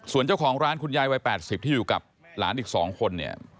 ส่วนเจ้าของร้านคุณยายวัย๘๐ที่อยู่กับหลานอีก๒คนเนี่ย